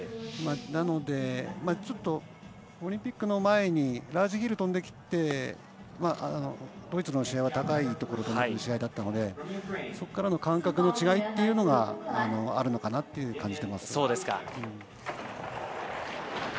なので、オリンピックの前にラージヒル飛んできてドイツの試合は高いところを飛んでいく試合だったのでそこからの感覚の違いというのがあるのかなと感じます。